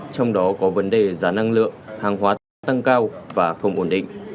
trong đó có vấn đề giá năng lượng hàng hóa tăng cao và không ổn định